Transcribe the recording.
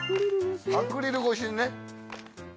アクリル越しにね